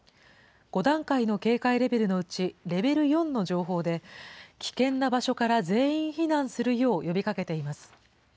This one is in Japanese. ５段階の警戒レベルのうち、レベル４の情報で、危険な場所から全員避難するよう呼びかけています。